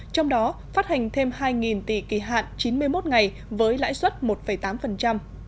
trong đó phát hành thêm hai tỷ kỳ hạn chín mươi một ngày với lãi suất một tám